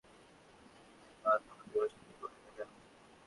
মা তোমাকে পছন্দ করে না কেন?